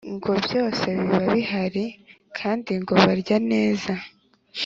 . Ngo byose biba bihari kandi ngo banarya neza.